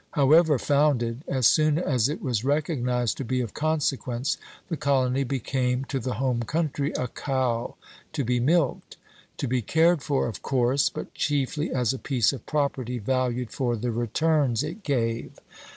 However founded, as soon as it was recognized to be of consequence, the colony became to the home country a cow to be milked; to be cared for, of course, but chiefly as a piece of property valued for the returns it gave.